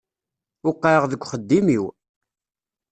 Weqɛeɣ deg uxeddim-iw.